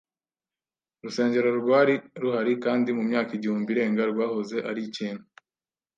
rusengero rwari ruhari, kandi mu myaka igihumbi irenga rwahoze ari ikintu